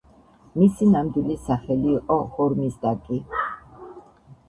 მისი ნამდვილი სახელი იყო ჰორმიზდაკი.